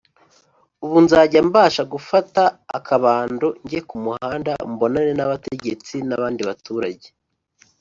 ubu nzajya mbasha gufata akabando njye ku muhanda mbonane n’abategetsi n’abandi baturage